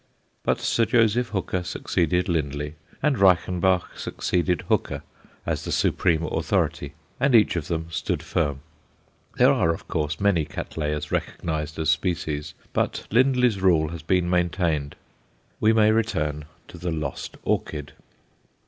But Sir Joseph Hooker succeeded Lindley and Reichenbach succeeded Hooker as the supreme authority, and each of them stood firm. There are, of course, many Cattleyas recognized as species, but Lindley's rule has been maintained. We may return to the lost orchid.